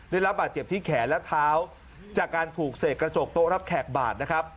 ได้รับบาดเจ็บที่แขนและเท้าจากการถูกเสกกระจกโต๊ะรับแขกบาดนะครับ